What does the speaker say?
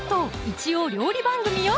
一応料理番組よ！